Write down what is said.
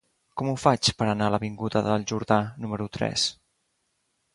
Com ho faig per anar a l'avinguda del Jordà número tres?